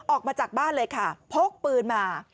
ออกมาจากบ้านเลยค่ะพกปืนมา